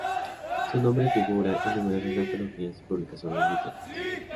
Su nombre figura en numerosas antologías y publicaciones literarias.